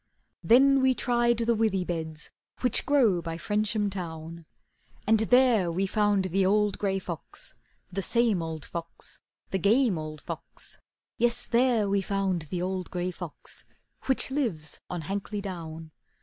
Then we tried the withy beds Which grow by Frensham town, And there we found the old gray fox, The same old fox, The game old fox; Yes, there we found the old gray fox, Which lives on Hankley Down.